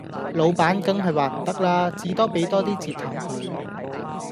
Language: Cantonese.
老闆梗係話唔得啦，至多俾多 d 折頭佢